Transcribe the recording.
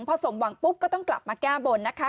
พอสมหวังปุ๊บก็ต้องกลับมาแก้บนนะคะ